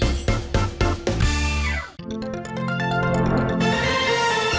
โปรดติดตามตอนต่อไป